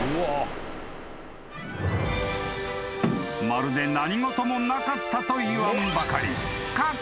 ［まるで何事もなかったと言わんばかり］